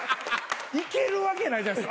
いけるわけないじゃないですか。